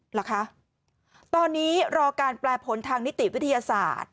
เหรอคะตอนนี้รอการแปลผลทางนิติวิทยาศาสตร์